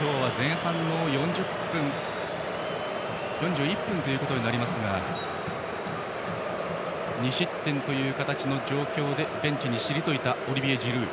今日は前半の４１分になりますが２失点という形でベンチに退いたオリビエ・ジルー。